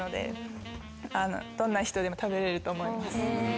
どんな人でも食べられると思います。